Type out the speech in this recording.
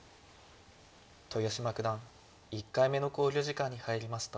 豊島九段１回目の考慮時間に入りました。